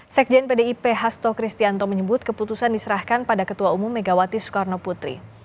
sekjen pdip hasto kristianto menyebut keputusan diserahkan pada ketua umum megawati soekarno putri